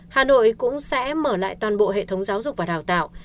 hà nội cũng sẽ mở lại toàn bộ hệ thống giáo dục và đào tạo